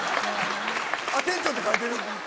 店長って書いてる。